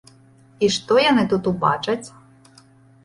І што яны тут убачаць?